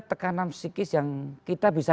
tekanan psikis yang kita bisa